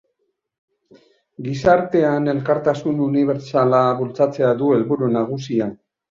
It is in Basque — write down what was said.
Gizartean elkartasun unibertsala bultzatzea du helburu nagusia.